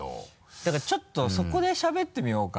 だからちょっとそこでしゃべってみようか。